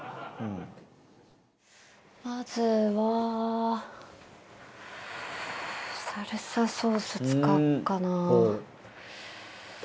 まずはサルサソース使おうかな。